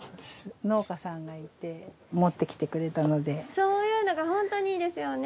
そういうのが本当にいいですよね。